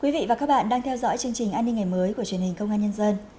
quý vị và các bạn đang theo dõi chương trình an ninh ngày mới của truyền hình công an nhân dân